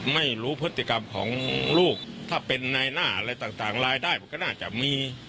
ไม่รู้พฤติกรรมของลูกถ้าเป็นนายหน้าอะไรต่างรายได้มันก็น่าจะมี